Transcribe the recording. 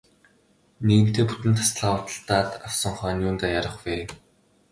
Нэгэнтээ бүтэн тасалгаа худалдаад авсан хойно юундаа яарах вэ.